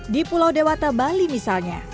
di pulau dewata bali misalnya